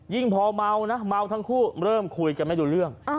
พอเมานะเมาทั้งคู่เริ่มคุยกันไม่รู้เรื่อง